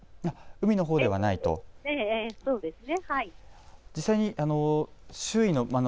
海のほうではないということですね。